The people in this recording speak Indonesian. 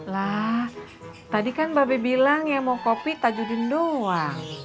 lah tadi kan mba beh bilang yang mau kopi taji udin doang